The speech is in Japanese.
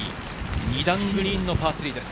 ２段グリーンのパー３です。